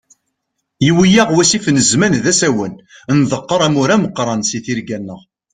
Yewwi-yaɣ wasif n zzman d asawen, nḍeqqer amur ameqran si tirga-nneɣ.